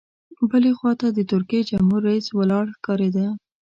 بلې خوا ته د ترکیې جمهور رئیس ولاړ ښکارېد.